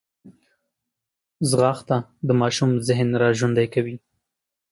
ځغاسته د ماشوم ذهن راژوندی کوي